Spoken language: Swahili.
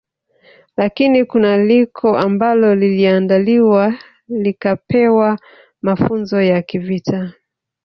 Lakini kuna lika ambalo liliandaliwa likapewa mafunzo ya kivita